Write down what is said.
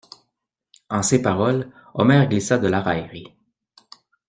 En ces paroles, Omer glissa de la raillerie.